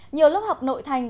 nhiều lớp học nội thành